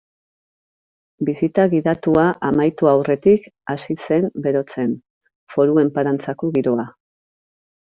Bisita gidatua amaitu aurretik hasi zen berotzen Foru Enparantzako giroa.